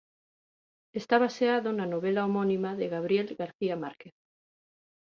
Está baseado na novela homónima de Gabriel García Márquez.